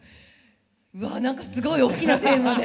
うわ何かすごい大きなテーマで。